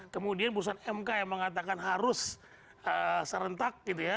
kemudian putusan mk yang mengatakan harus serentak gitu ya